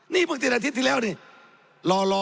ไม่ต้องไปพูดถึงตาศีรษาหรอกครับ